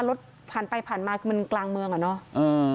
รถผ่านไปผ่านมาคือมันกลางเมืองอ่ะเนาะ